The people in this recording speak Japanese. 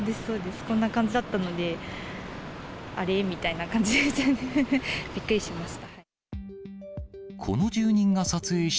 こんな感じだったので、あれみたいな感じですよね、びっくりしました。